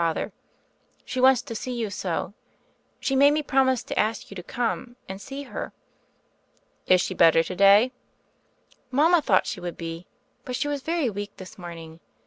Father. She wants to see you so. She made me promise to ask you to come and see her." "Is she better to day?" "Mama thought she would be; but she was very weak this morning.